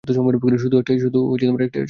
শুধু একটা জিনিস আছে।